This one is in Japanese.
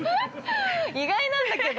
意外なんだけど。